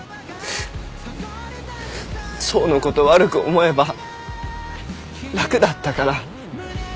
想のこと悪く思えば楽だったから。